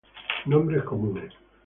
Nombres Comunes